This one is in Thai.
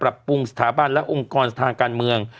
ปรับปรุงสถาบันและองค์กรทางการเมือง